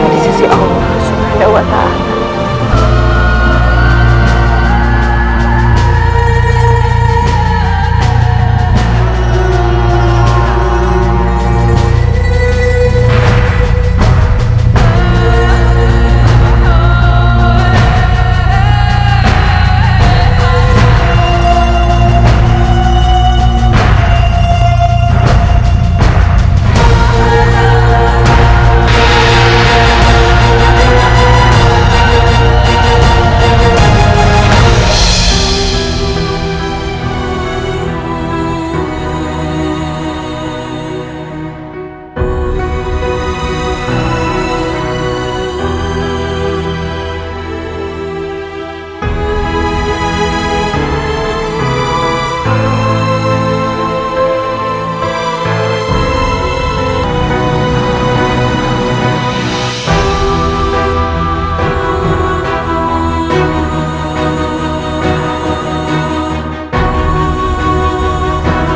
wassalamualaikum warahmatullahi wabarakatuh